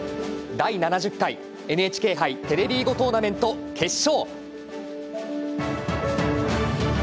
「第７０回ＮＨＫ杯テレビ囲碁トーナメント」決勝。